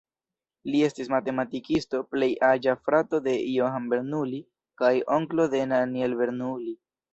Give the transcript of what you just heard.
Li estis matematikisto, plej aĝa frato de Johann Bernoulli, kaj onklo de Daniel Bernoulli.